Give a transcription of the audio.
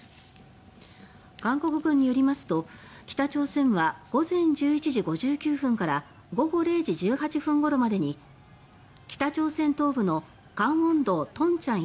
韓国軍によりますと北朝鮮は午前１１時５９分から午後０時１８分頃までに北朝鮮東部のカンウォン道トンチョン